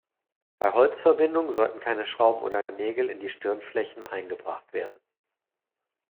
Bei Holzverbindungen sollten keine Schrauben oder Nägel in die Stirnflächen eingebracht werden.